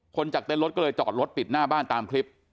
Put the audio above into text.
จากเต้นรถก็เลยจอดรถปิดหน้าบ้านตามคลิป